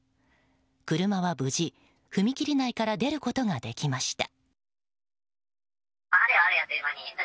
車は無事、踏切内から出ることができました。